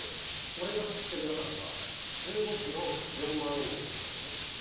俺が知ってる中では、１５キロ４万円台だったんですね。